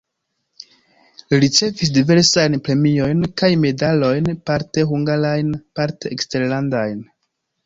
Li ricevis diversajn premiojn kaj medalojn parte hungarajn, parte eksterlandajn.